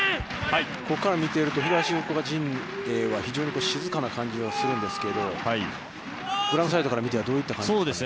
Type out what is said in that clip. ここから見ていると、東福岡陣営は非常に静かな感じがするんですけど、グラウンドサイドから見て、どういった感じですかね。